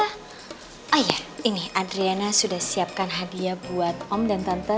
oh iya ini adriana sudah siapkan hadiah buat om dan tante